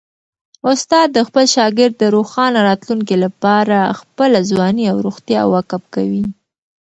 استاد د خپل شاګرد د روښانه راتلونکي لپاره خپله ځواني او روغتیا وقف کوي.